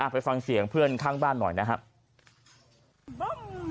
ไปฟังเสียงเพื่อนข้างบ้านหน่อยนะครับ